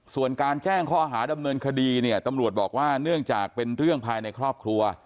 ส่วนการแจ้งข้อหาดำเนินคดีเนี่ยตำรวจบอกว่าเนื่องจากเป็นเรื่องภายในครอบครัว